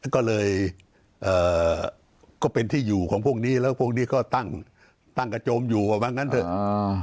ก็เลยก็เป็นที่อยู่ของพวกนี้แล้วพวกนี้ก็ตั้งกระโจมอยู่ว่างั้นเถอะ